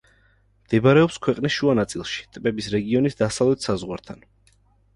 მდებარეობს ქვეყნის შუა ნაწილში, ტბების რეგიონის დასავლეთ საზღვართან.